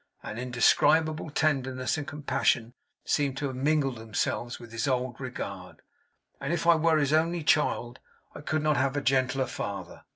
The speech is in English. An indescribable tenderness and compassion seem to have mingled themselves with his old regard; and if I were his only child, I could not have a gentler father.